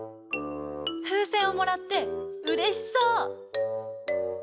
ふうせんをもらってうれしそう！